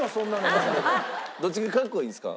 どっちがかっこいいんですか？